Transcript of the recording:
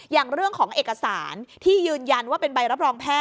อย่างเรื่องของเอกสารที่ยืนยันว่าเป็นใบรับรองแพท